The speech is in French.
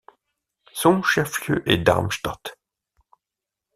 Son chef-lieu est Darmstadt.